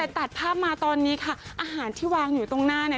แต่ตัดภาพมาตอนนี้ค่ะอาหารที่วางอยู่ตรงหน้าเนี่ย